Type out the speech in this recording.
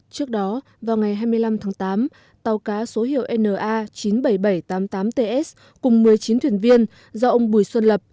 trước đó vào ngày hai mươi năm tháng tám tàu cá số hiệu na chín mươi bảy nghìn bảy trăm tám mươi tám ts cùng một mươi chín thuyền viên do ông bùi xuân lập